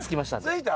着いた？